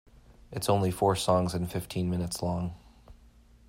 It's only four songs and fifteen minutes long.